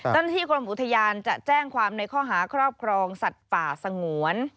เจ้าหน้าที่กรมอุทยานจะแจ้งความในข้อหาครอบครองสัตว์ป่าสงวน